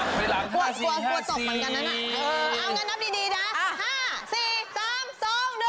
เอาละกันนับดีดีป่ะฮะ๕๔๓๒๑